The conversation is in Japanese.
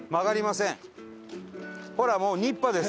ほらもう新羽です。